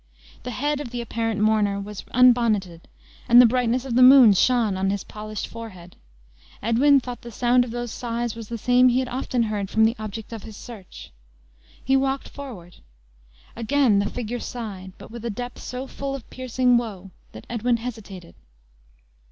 The head of the apparent mourner was unbonneted, and the brightness of the moon shone on his polished forehead. Edwin thought the sound of those sighs was the same he had often heard from the object of his search. He walked forward. Again the figure sighed; but with a depth so full of piercing woe, that Edwin hesitated.